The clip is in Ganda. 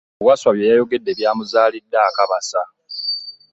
Wasswa byeyayogedde bya muzalidde akabasa.